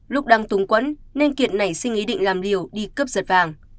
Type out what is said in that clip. lúc đang túng quẫn nên kiệt nảy sinh ý định làm liều đi cướp giật vàng